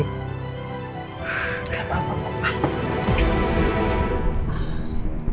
wah kenapa papa